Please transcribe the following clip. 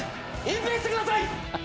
隠蔽してください！